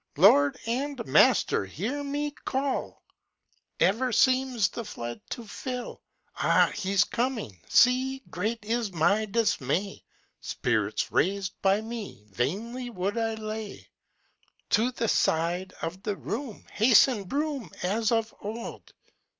Lord and master hear me call! Ever seems the flood to fill, Ah, he's coming! see, Great is my dismay! Spirits raised by me Vainly would I lay! "To the side Of the room Hasten, broom, As of old!